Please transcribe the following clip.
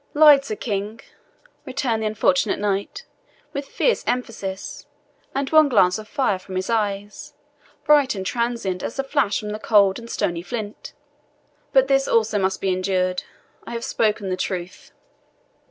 "Lied, Sir King!" returned the unfortunate knight, with fierce emphasis, and one glance of fire from his eye, bright and transient as the flash from the cold and stony flint. "But this also must be endured. I have spoken the truth."